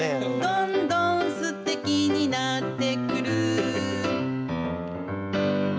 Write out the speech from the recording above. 「どんどん素敵になってくる」